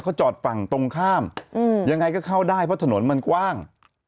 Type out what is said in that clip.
เขาจอดฝั่งตรงข้ามยังไงก็เข้าได้เพราะถนนมันกว้าง